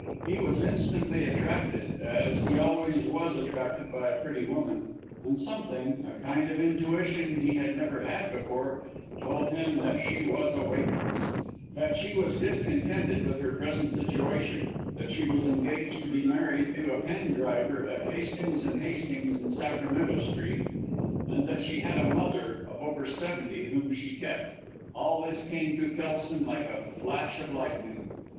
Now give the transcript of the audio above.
He was instantly attracted, as he always was attracted by a pretty woman, and something a kind of intuition he had never had before told him that she was a waitress; that she was discontented with her present situation; that she was engaged to be married to a pen driver at Hastings & Hastings in Sacramento Street; and that she had a mother, of over seventy, whom she kept. All this came to Kelson like a flash of lightning.